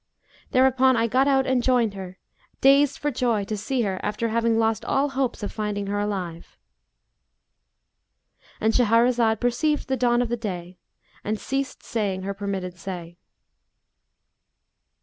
Thereupon I got out and joined her, dazed for joy to see her after having lost all hopes of finding her alive.'" —And Shahrazad perceived the dawn of day and ceased saying her permitted say.